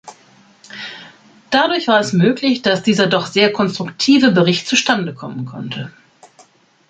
Dadurch war es möglich, dass dieser doch sehr konstruktive Bericht zustande kommen konnte.